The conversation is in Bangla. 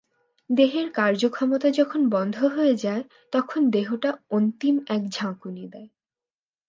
দেহের কার্যক্ষমতা যখন বন্ধ হয়ে যায় তখন দেহটা অন্তিম একটা ঝাঁকুনি দেয়!